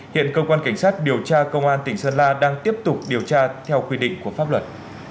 hiện cơ quan cảnh sát điều tra công an tỉnh sơn la đang tiếp tục điều tra theo quy định của pháp luật